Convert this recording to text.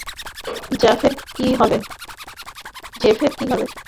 জেফের কী হবে?